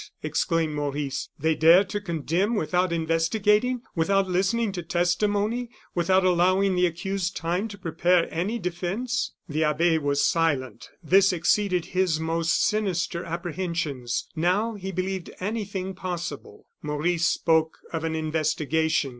exclaimed Maurice, "they dare to condemn without investigating, without listening to testimony, without allowing the accused time to prepare any defence?" The abbe was silent. This exceeded his most sinister apprehensions. Now, he believed anything possible. Maurice spoke of an investigation.